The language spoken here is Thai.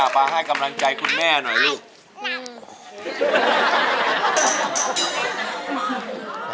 ไปให้กำลังใจคุณแม่หน่อยลูก